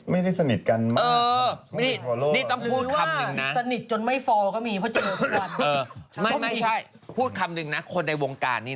มันก็ไม่จำเป็นต้องฟอลโลกันแล้วไหมเนี่ย